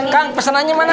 kan pesenannya mana kan